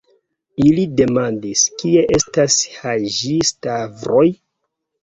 Ili demandis, kie estas Haĝi-Stavros.